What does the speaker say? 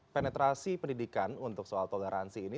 penetrasi pendidikan untuk soal toleransi ini